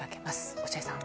落合さん。